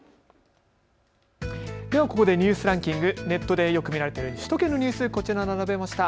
ではここでニュースランキング、ネットでよく見られている首都圏のニュース、こちら、並べました。